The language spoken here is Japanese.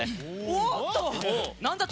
おっと！